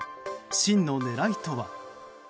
真の狙いとは？